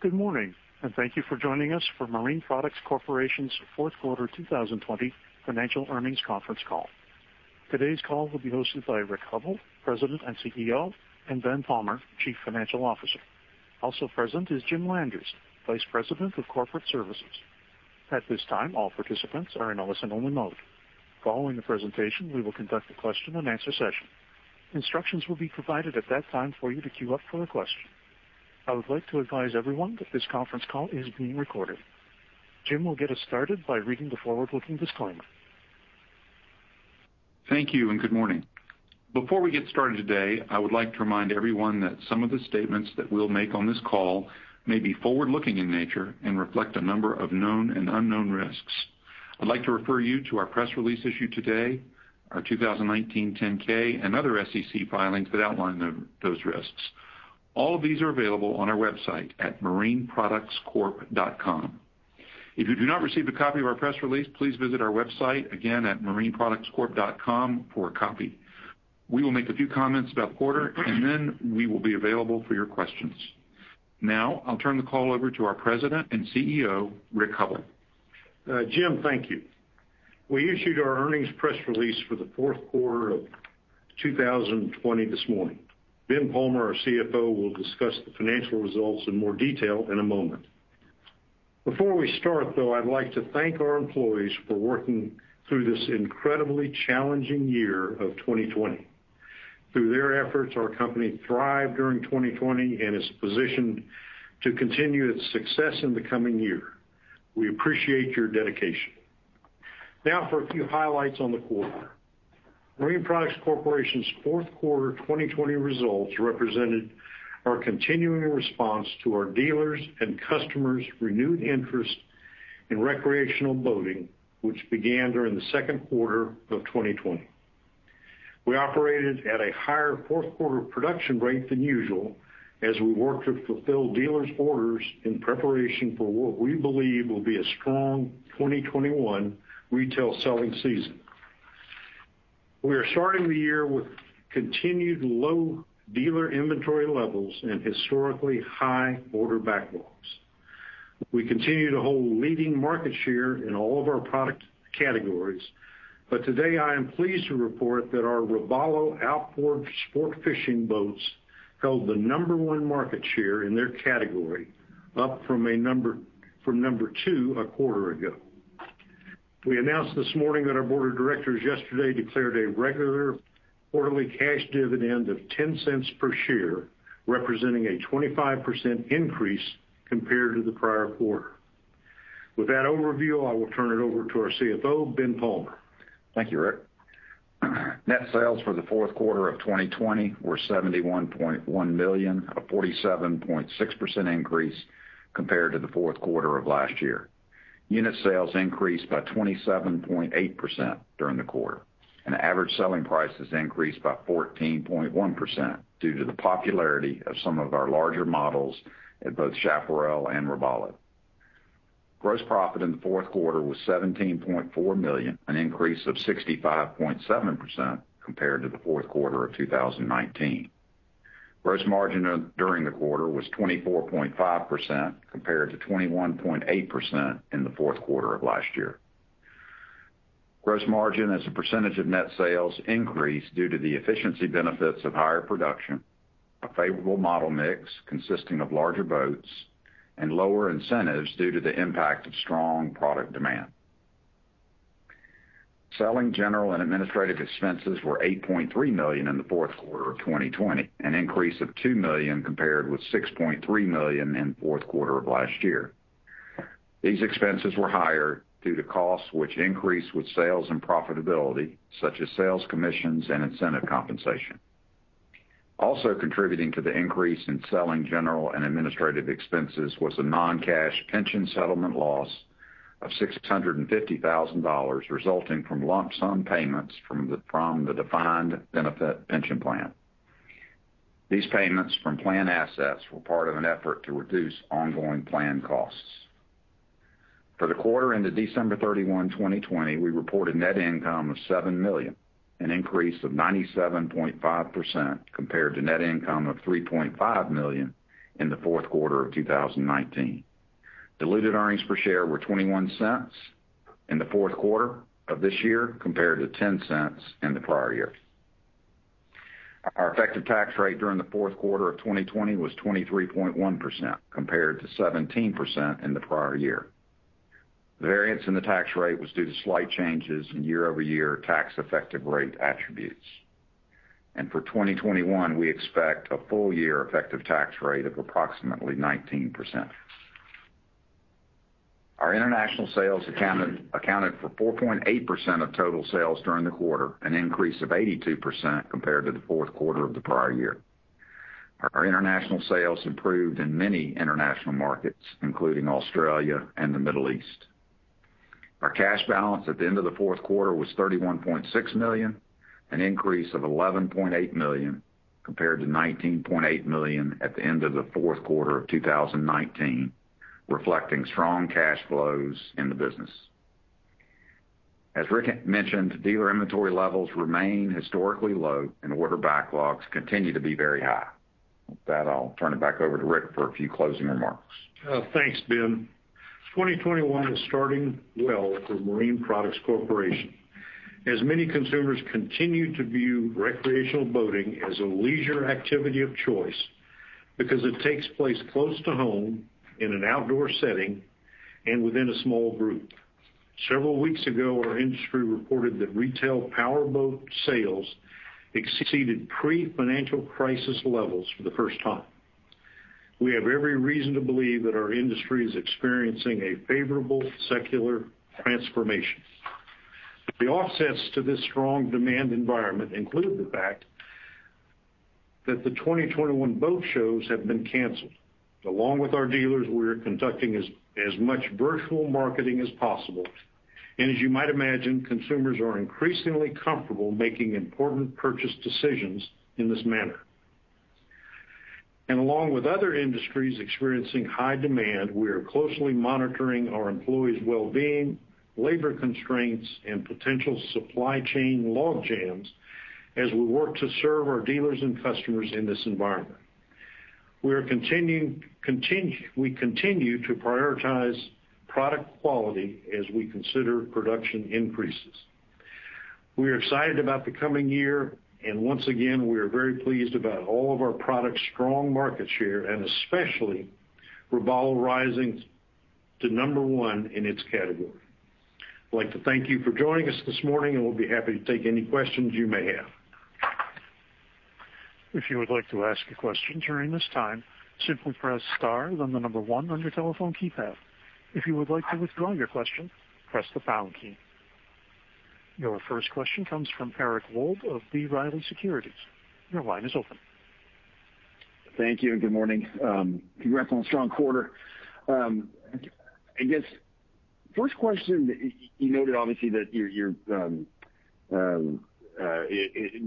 Good morning, and thank you for joining us for Marine Products Corporation's Fourth Quarter 2020 Financial Earnings Conference Call. Today's call will be hosted by Rick Hubbell, President and CEO, and Ben Palmer, Chief Financial Officer. Also present is Jim Landers, Vice President of Corporate Services. At this time, all participants are in a listen-only mode. Following the presentation, we will conduct a question-and-answer session. Instructions will be provided at that time for you to queue up for a question. I would like to advise everyone that this conference call is being recorded. Jim will get us started by reading the forward-looking disclaimer. Thank you, and good morning. Before we get started today, I would like to remind everyone that some of the statements that we'll make on this call may be forward-looking in nature and reflect a number of known and unknown risks. I'd like to refer you to our press release issued today, our 2019 10-K, and other SEC filings that outline those risks. All of these are available on our website at marineproductscorp.com. If you do not receive a copy of our press release, please visit our website again at marineproductscorp.com for a copy. We will make a few comments about the quarter, and then we will be available for your questions. Now, I'll turn the call over to our President and CEO, Rick Hubbell. Jim, thank you. We issued our earnings press release for the fourth quarter of 2020 this morning. Ben Palmer, our CFO, will discuss the financial results in more detail in a moment. Before we start, though, I'd like to thank our employees for working through this incredibly challenging year of 2020. Through their efforts, our company thrived during 2020 and is positioned to continue its success in the coming year. We appreciate your dedication. Now, for a few highlights on the quarter. Marine Products Corporation's fourth quarter 2020 results represented our continuing response to our dealers and customers' renewed interest in recreational boating, which began during the second quarter of 2020. We operated at a higher fourth quarter production rate than usual as we worked to fulfill dealers' orders in preparation for what we believe will be a strong 2021 retail selling season. We are starting the year with continued low dealer inventory levels and historically high order backlogs. We continue to hold leading market share in all of our product categories, but today I am pleased to report that our Robalo outboard sport fishing boats held the number one market share in their category, up from number two a quarter ago. We announced this morning that our board of directors yesterday declared a regular quarterly cash dividend of $0.10 per share, representing a 25% increase compared to the prior quarter. With that overview, I will turn it over to our CFO, Ben Palmer. Thank you, Rick. Net sales for the fourth quarter of 2020 were $71.1 million, a 47.6% increase compared to the fourth quarter of last year. Unit sales increased by 27.8% during the quarter, and average selling prices increased by 14.1% due to the popularity of some of our larger models at both Chaparral and Robalo. Gross profit in the fourth quarter was $17.4 million, an increase of 65.7% compared to the fourth quarter of 2019. Gross margin during the quarter was 24.5% compared to 21.8% in the fourth quarter of last year. Gross margin as a percentage of net sales increased due to the efficiency benefits of higher production, a favorable model mix consisting of larger boats, and lower incentives due to the impact of strong product demand. Selling general and administrative expenses were $8.3 million in the fourth quarter of 2020, an increase of $2 million compared with $6.3 million in the fourth quarter of last year. These expenses were higher due to costs which increased with sales and profitability, such as sales commissions and incentive compensation. Also contributing to the increase in selling general and administrative expenses was a non-cash pension settlement loss of $650,000 resulting from lump sum payments from the defined benefit pension plan. These payments from plan assets were part of an effort to reduce ongoing plan costs. For the quarter ended December 31, 2020, we reported net income of $7 million, an increase of 97.5% compared to net income of $3.5 million in the fourth quarter of 2019. Diluted earnings per share were $0.21 in the fourth quarter of this year compared to $0.10 in the prior year. Our effective tax rate during the fourth quarter of 2020 was 23.1% compared to 17% in the prior year. The variance in the tax rate was due to slight changes in year-over-year tax effective rate attributes. For 2021, we expect a full year effective tax rate of approximately 19%. Our international sales accounted for 4.8% of total sales during the quarter, an increase of 82% compared to the fourth quarter of the prior year. Our international sales improved in many international markets, including Australia and the Middle East. Our cash balance at the end of the fourth quarter was $31.6 million, an increase of $11.8 million compared to $19.8 million at the end of the fourth quarter of 2019, reflecting strong cash flows in the business. As Rick mentioned, dealer inventory levels remain historically low, and order backlogs continue to be very high. With that, I'll turn it back over to Rick for a few closing remarks. Thanks, Ben. 2021 is starting well for Marine Products Corporation. As many consumers continue to view recreational boating as a leisure activity of choice because it takes place close to home in an outdoor setting and within a small group, several weeks ago, our industry reported that retail power boat sales exceeded pre-financial crisis levels for the first time. We have every reason to believe that our industry is experiencing a favorable secular transformation. The offsets to this strong demand environment include the fact that the 2021 boat shows have been canceled. Along with our dealers, we are conducting as much virtual marketing as possible. As you might imagine, consumers are increasingly comfortable making important purchase decisions in this manner. Along with other industries experiencing high demand, we are closely monitoring our employees' well-being, labor constraints, and potential supply chain log jams as we work to serve our dealers and customers in this environment. We continue to prioritize product quality as we consider production increases. We are excited about the coming year, and once again, we are very pleased about all of our products' strong market share, and especially Robalo rising to number one in its category. I'd like to thank you for joining us this morning, and we'll be happy to take any questions you may have. If you would like to ask a question during this time, simply press star, then the number one on your telephone keypad. If you would like to withdraw your question, press the pound key. Your first question comes from Eric Wold of B. Riley Securities. Your line is open. Thank you, and good morning. Congrats on a strong quarter. I guess, first question, you noted obviously that your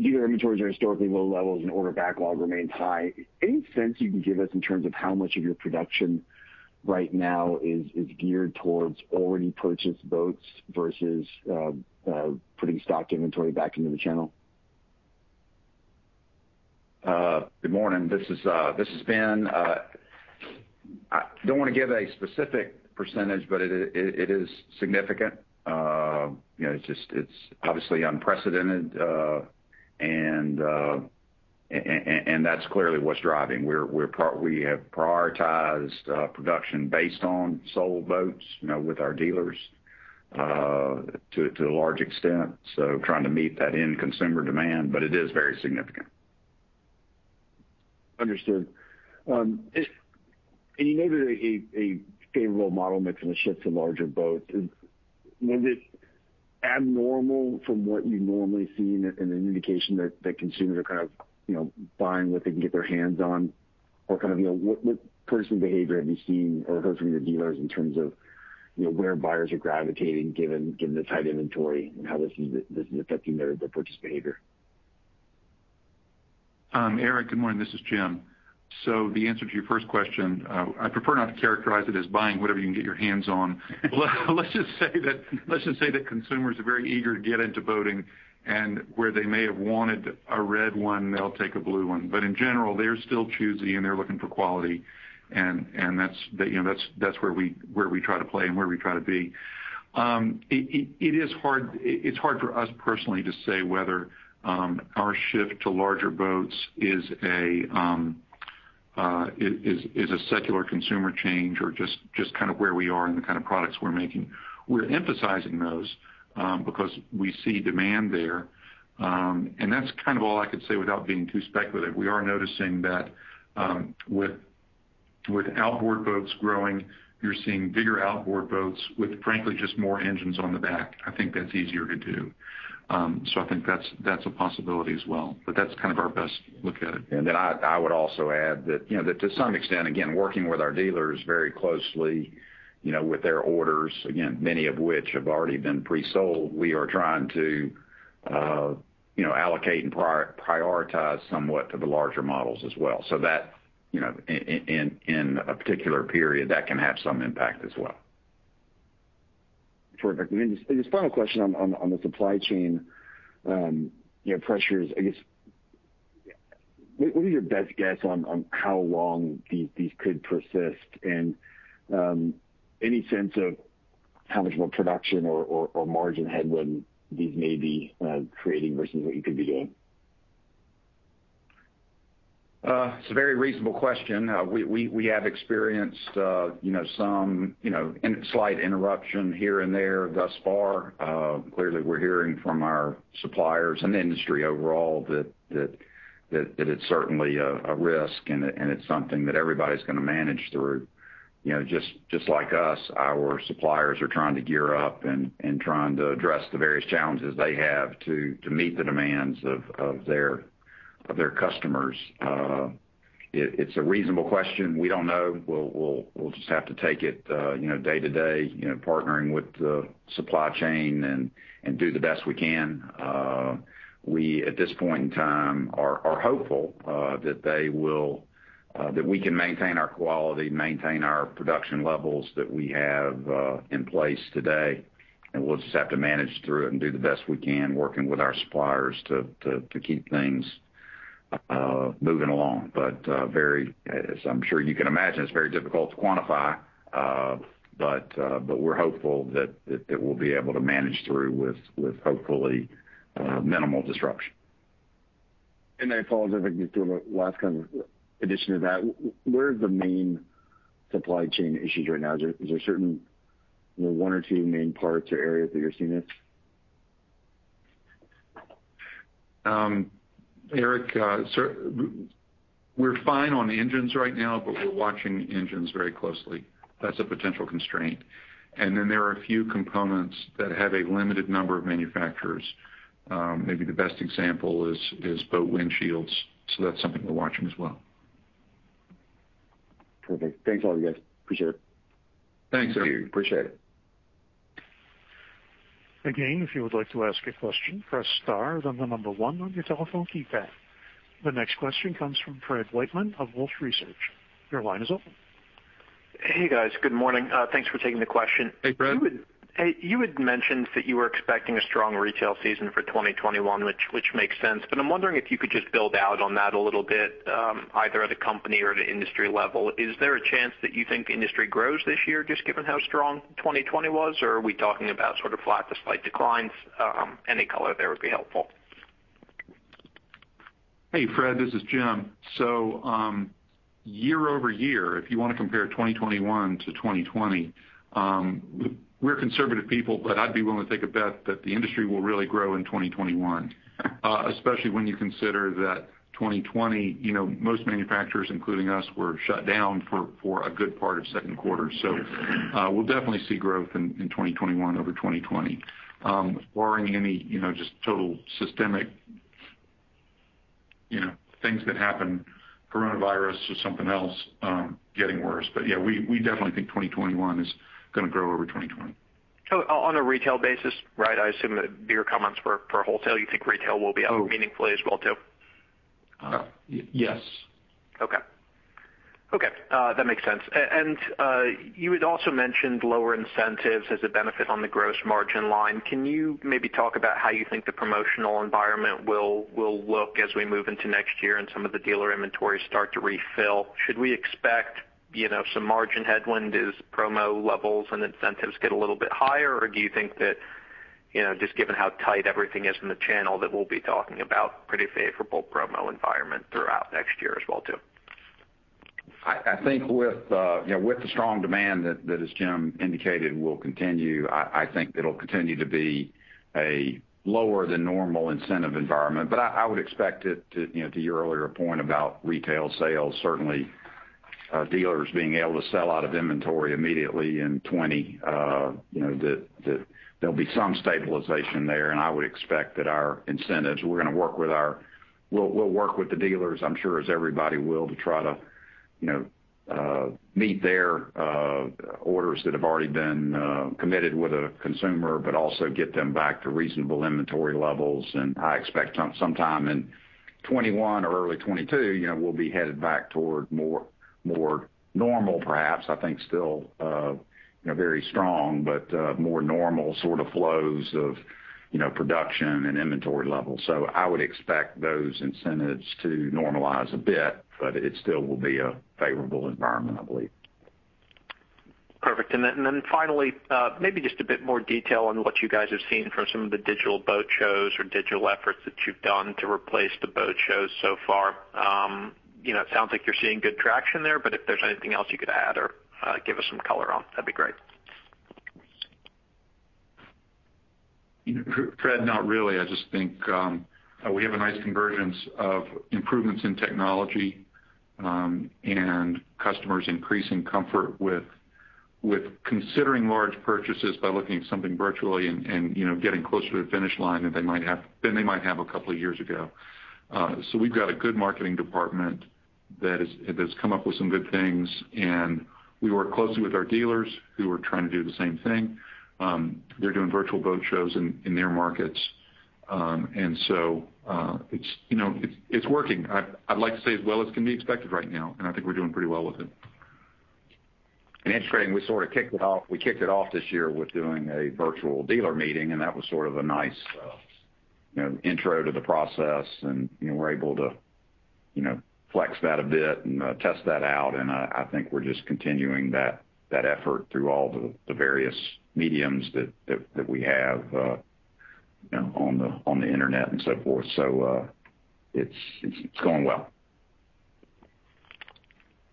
dealer inventories are historically low levels and order backlog remains high. Any sense you can give us in terms of how much of your production right now is geared towards already purchased boats versus putting stock inventory back into the channel? Good morning. This is Ben. I don't want to give a specific percentage, but it is significant. It's obviously unprecedented, and that's clearly what's driving. We have prioritized production based on sold boats with our dealers to a large extent, trying to meet that end consumer demand, but it is very significant. Understood. You noted a favorable model mix and a shift to larger boats. Was it abnormal from what you normally see and an indication that consumers are kind of buying what they can get their hands on? What purchasing behavior have you seen or heard from your dealers in terms of where buyers are gravitating given the tight inventory and how this is affecting their purchase behavior? Eric, good morning. This is Jim. The answer to your first question, I prefer not to characterize it as buying whatever you can get your hands on. Let's just say that consumers are very eager to get into boating, and where they may have wanted a red one, they'll take a blue one. In general, they're still choosy and they're looking for quality, and that's where we try to play and where we try to be. It's hard for us personally to say whether our shift to larger boats is a secular consumer change or just kind of where we are and the kind of products we're making. We're emphasizing those because we see demand there. That's kind of all I could say without being too speculative. We are noticing that with outboard boats growing, you're seeing bigger outboard boats with, frankly, just more engines on the back. I think that's easier to do. I think that's a possibility as well. That is kind of our best look at it. I would also add that to some extent, again, working with our dealers very closely with their orders, again, many of which have already been pre-sold, we are trying to allocate and prioritize somewhat to the larger models as well. That in a particular period, that can have some impact as well. Terrific. This final question on the supply chain pressures, I guess, what are your best guess on how long these could persist? Any sense of how much more production or margin headwind these may be creating versus what you could be doing? It's a very reasonable question. We have experienced some slight interruption here and there thus far. Clearly, we're hearing from our suppliers and the industry overall that it's certainly a risk, and it's something that everybody's going to manage through. Just like us, our suppliers are trying to gear up and trying to address the various challenges they have to meet the demands of their customers. It's a reasonable question. We don't know. We'll just have to take it day to day, partnering with the supply chain and do the best we can. We, at this point in time, are hopeful that we can maintain our quality, maintain our production levels that we have in place today. We'll just have to manage through it and do the best we can, working with our suppliers to keep things moving along. As I'm sure you can imagine, it's very difficult to quantify, but we're hopeful that we'll be able to manage through with hopefully minimal disruption. I apologize if I can just do a last kind of addition to that. Where are the main supply chain issues right now? Is there certain one or two main parts or areas that you're seeing this? Eric, we're fine on engines right now, but we're watching engines very closely. That's a potential constraint. There are a few components that have a limited number of manufacturers. Maybe the best example is boat windshields. That's something we're watching as well. Terrific. Thanks a lot, guys. Appreciate it. Thanks, Eric. Thank you. Appreciate it. Again, if you would like to ask a question, press star, then the number one on your telephone keypad. The next question comes from Fred Whiteman of Wolf Research. Your line is open. Hey, guys. Good morning. Thanks for taking the question. Hey, Fred. You had mentioned that you were expecting a strong retail season for 2021, which makes sense. I am wondering if you could just build out on that a little bit, either at a company or at an industry level. Is there a chance that you think industry grows this year just given how strong 2020 was, or are we talking about sort of flat to slight declines? Any color there would be helpful. Hey, Fred. This is Jim. Year-over-year, if you want to compare 2021 to 2020, we're conservative people, but I'd be willing to take a bet that the industry will really grow in 2021, especially when you consider that 2020, most manufacturers, including us, were shut down for a good part of second quarter. We will definitely see growth in 2021 over 2020, barring any just total systemic things that happen, coronavirus or something else, getting worse. Yeah, we definitely think 2021 is going to grow over 2020. On a retail basis, right? I assume that your comments were for wholesale. You think retail will be up meaningfully as well too? Yes. Okay. That makes sense. You had also mentioned lower incentives as a benefit on the gross margin line. Can you maybe talk about how you think the promotional environment will look as we move into next year and some of the dealer inventory start to refill? Should we expect some margin headwind as promo levels and incentives get a little bit higher, or do you think that just given how tight everything is in the channel that we'll be talking about, pretty favorable promo environment throughout next year as well too? I think with the strong demand that, as Jim indicated, will continue, I think it'll continue to be a lower-than-normal incentive environment. I would expect it to, to your earlier point about retail sales, certainly dealers being able to sell out of inventory immediately in 2020, that there'll be some stabilization there. I would expect that our incentives, we're going to work with our—we'll work with the dealers, I'm sure as everybody will, to try to meet their orders that have already been committed with a consumer, but also get them back to reasonable inventory levels. I expect sometime in 2021 or early 2022, we'll be headed back toward more normal, perhaps. I think still very strong, but more normal sort of flows of production and inventory levels. I would expect those incentives to normalize a bit, but it still will be a favorable environment, I believe. Perfect. Finally, maybe just a bit more detail on what you guys have seen from some of the digital boat shows or digital efforts that you've done to replace the boat shows so far. It sounds like you're seeing good traction there, but if there's anything else you could add or give us some color on, that'd be great. Fred, not really. I just think we have a nice convergence of improvements in technology and customers' increasing comfort with considering large purchases by looking at something virtually and getting closer to the finish line than they might have a couple of years ago. We have a good marketing department that has come up with some good things, and we work closely with our dealers who are trying to do the same thing. They are doing virtual boat shows in their markets. It is working. I would like to say as well as can be expected right now, and I think we are doing pretty well with it. Interesting, we sort of kicked it off—we kicked it off this year with doing a virtual dealer meeting, and that was sort of a nice intro to the process. We were able to flex that a bit and test that out. I think we're just continuing that effort through all the various mediums that we have on the internet and so forth. It is going well.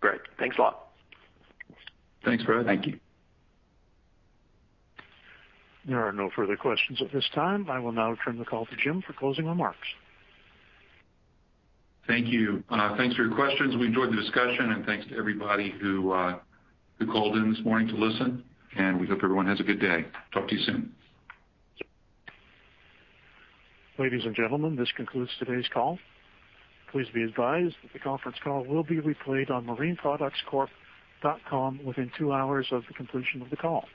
Great. Thanks a lot. Thanks, Fred. Thank you. There are no further questions at this time. I will now turn the call to Jim for closing remarks. Thank you. Thanks for your questions. We enjoyed the discussion, and thanks to everybody who called in this morning to listen, and we hope everyone has a good day. Talk to you soon. Ladies and gentlemen, this concludes today's call. Please be advised that the conference call will be replayed on marineproductscorp.com within two hours of the completion of the call.